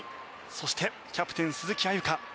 そしてキャプテン、鈴木歩佳。